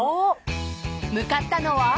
［向かったのは］